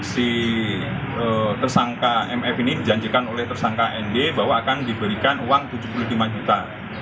si tersangka mf ini dijanjikan oleh tersangka nd bahwa akan diberikan uang tujuh puluh lima juta